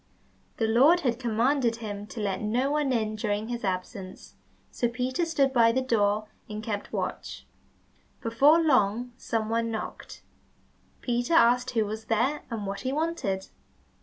The Lord had commanded him to let no one in during his absence, so Peter stood by the door and kept watch. Before long some one knocked. Peter asked who was there, and what he wanted?